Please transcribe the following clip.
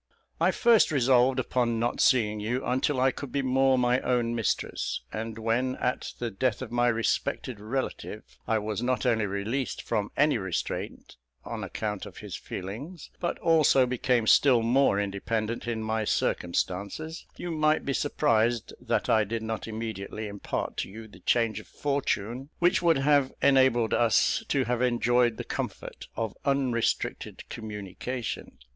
"I first resolved upon not seeing you until I could be more my own mistress; and when, at the death of my respected relative, I was not only released from any restraint on account of his feelings, but also became still more independent in my circumstances, you might be surprised that I did not immediately impart to you the change of fortune which would have enabled us to have enjoyed the comfort of unrestricted communication.